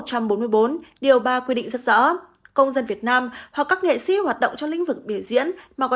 số một trăm linh ba quy định rất rõ công dân việt nam hoặc các nghệ sĩ hoạt động trong lĩnh vực biểu diễn mà có